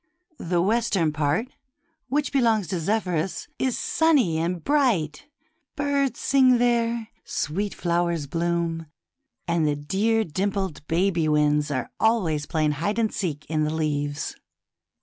The western part, which belongs to Zephyrus, is sunny and bright ; birds sings there, sweet flowers bloom, and the dear dimpled baby winds are always playing hide and seek in the leaves.